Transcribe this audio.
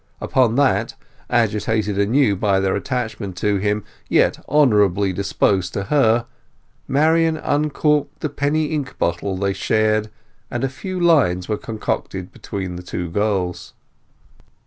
Upon that, agitated anew by their attachment to him, yet honourably disposed to her, Marian uncorked the penny ink bottle they shared, and a few lines were concocted between the two girls.